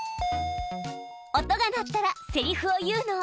音がなったらセリフを言うの。